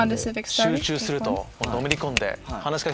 集中するとのめり込んで。